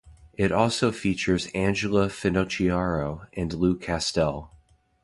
It also features Angela Finocchiaro and Lou Castel.